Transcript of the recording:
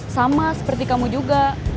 sama seperti kamu juga